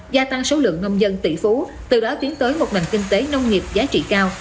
gia tăng số lượng nông dân tỷ phú từ đó tiến tới một nền kinh tế nông nghiệp giá trị cao